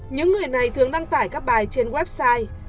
những người này thường đăng tải các bài trên website